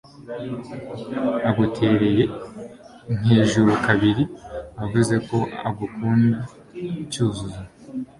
agutereye nk'ejuru kabiri avuze ko agukunda cyuzuzo